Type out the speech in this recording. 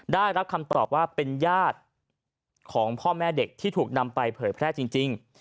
ได้รับคำตอบว่าเป็นญาติของพ่อแม่เด็กที่ถูกนำไปเผยแพร่จริง